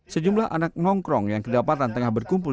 sejumlah anak nongkrong yang kedapatan tengah berkumpul